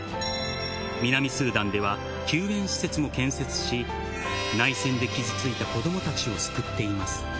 南スーダンでは、救援施設も建設し、内戦で傷ついた子どもたちを救っています。